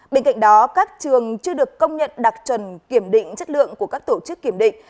bên cạnh đó các trường chưa được công nhận đạt chuẩn kiểm định chất lượng của các tổ chức kiểm định